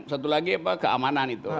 satu lagi apa keamanan itu